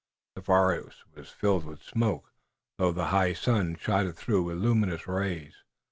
The forest was filled with smoke, though the high sun shot it through with luminous rays.